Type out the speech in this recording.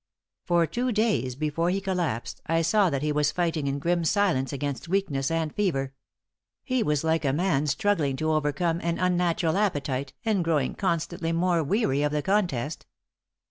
For two days before he collapsed I saw that he was fighting in grim silence against weakness and fever. He was like a man struggling to overcome an unnatural appetite and growing constantly more weary of the contest.